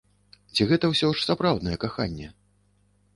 Ці гэта ўсё ж сапраўднае каханне?